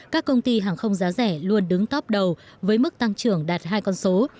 các công ty hàng không giá rẻ luôn đứng top đầu với mức tăng trưởng đạt hai con số